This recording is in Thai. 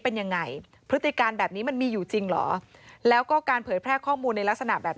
เป็นยังไงพฤติการแบบนี้มันมีอยู่จริงเหรอแล้วก็การเผยแพร่ข้อมูลในลักษณะแบบ